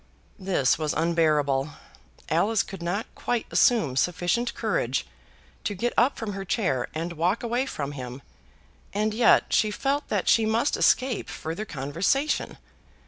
This was unbearable. Alice could not quite assume sufficient courage to get up from her chair and walk away from him, and yet she felt that she must escape further conversation.